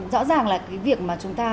rõ ràng là cái việc mà chúng ta